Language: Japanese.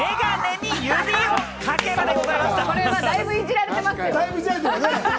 これはだいぶ、イジられてますよ。